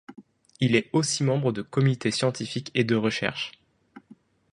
Il est aussi membre de comités scientifiques et de recherche.